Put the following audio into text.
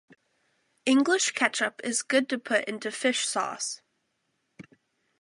English ketchup is good to put into Fish Sauce.